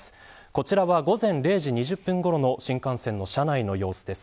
こちらは午前０時２０分ごろの新幹線の車内の様子です。